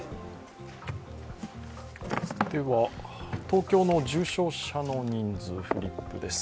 東京の重症者の人数フリップです。